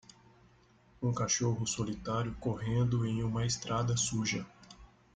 um cachorro solitário correndo em uma estrada suja